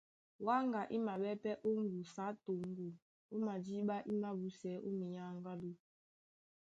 Wáŋga í maɓɛ́ pɛ́ ó ŋgusu á toŋgo a madíɓá í mābúsɛɛ́ ó minyáŋgádú.